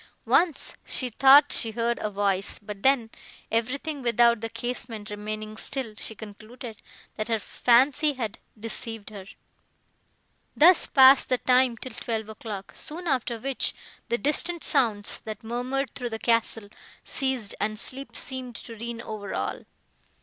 Once, she thought she heard a voice, but then, everything without the casement remaining still, she concluded, that her fancy had deceived her. Thus passed the time, till twelve o'clock, soon after which the distant sounds, that murmured through the castle, ceased, and sleep seemed to reign over all.